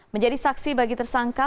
menjadi saksi bagi tersangka